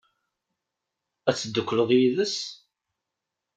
Ad teddukleḍ yid-s?